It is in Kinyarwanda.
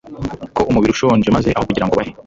ko umubiri ushonje maze aho kugira ngo bahe